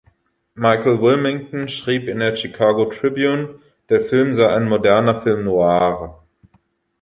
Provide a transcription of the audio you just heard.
Michael Wilmington schrieb in der "Chicago Tribune", der Film sei ein „"moderner Film noir"“.